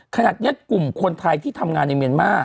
ขนาดเย็ดกลุ่มคนไทยที่ทำงานในเมียนม่า